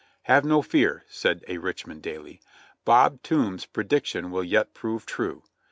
"Have no fear," said a Richmond daily, "Bob Toombs's prediction will yet prove true.